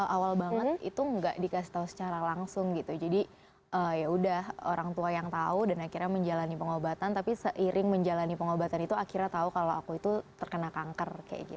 awal banget itu nggak dikasih tahu secara langsung gitu jadi yaudah orang tua yang tahu dan akhirnya menjalani pengobatan tapi seiring menjalani pengobatan itu akhirnya tahu kalau aku itu terkena kanker